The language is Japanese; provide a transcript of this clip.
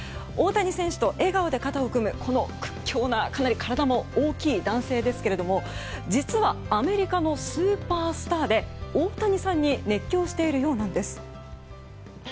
大谷選手と笑顔で肩を組むこの屈強な、かなり体も大きい男性ですが実はアメリカのスーパースターで大谷さんに熱狂しているようなんです。